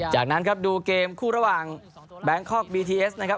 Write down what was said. จากนั้นครับดูเกมคู่ระหว่างแบงคอกบีทีเอสนะครับ